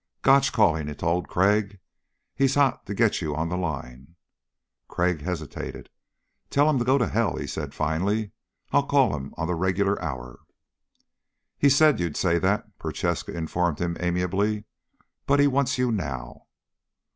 "Gotch calling," he told Crag. "He's hot to get you on the line." Crag hesitated. "Tell him to go to hell," he said finally. "I'll call him on the regular hour." "He said you'd say that," Prochaska informed him amiably, "but he wants you now."